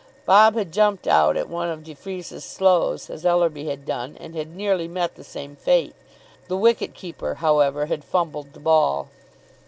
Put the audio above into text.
Bob had jumped out at one of de Freece's slows, as Ellerby had done, and had nearly met the same fate. The wicket keeper, however, had fumbled the ball.